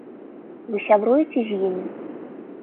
Вы сябруеце з імі?